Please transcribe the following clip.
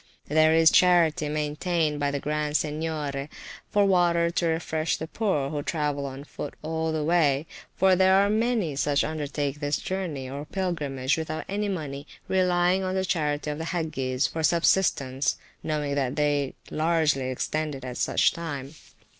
There is a charity maintained by the Grand Seignior, for water to refresh the poor who travel on foot all the way; for there are many such undertake this journey (or pilgrimage) without any money, relying on the charity of the Hagges for subsistence, knowing that they largely extend it at such a time.